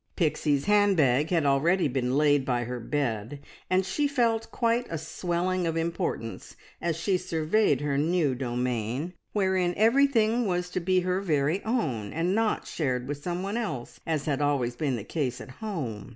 Pixie's handbag had already been laid by her bed, and she felt quite a swelling of importance as she surveyed her new domain, wherein everything was to be her very own, and not shared with someone else, as had always been the case at home.